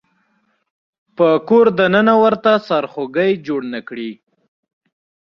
په کور د ننه ورته سرخوږی جوړ نه کړي.